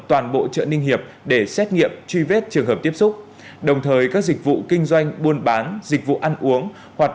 toàn bộ chợ ninh hiệp để xét nghiệm truy vết trường hợp tiếp xúc đồng thời các dịch vụ kinh doanh